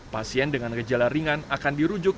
pasien dengan gejala ringan akan dirujuk